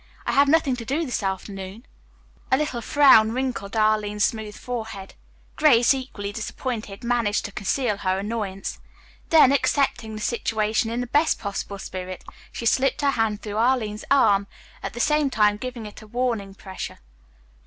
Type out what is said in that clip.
"I have nothing to do this afternoon." A little frown wrinkled Arline's smooth forehead. Grace, equally disappointed, managed to conceal her annoyance. Then, accepting the situation in the best possible spirit, she slipped her hand through Arline's arm, at the same time giving it a warning pressure.